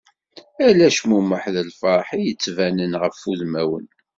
Ala acmumeḥ d lferḥ i d-yettbanen ɣef wudmaen.